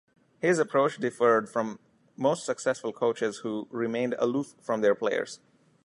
His approach differed from most successful coaches who remained aloof from their players.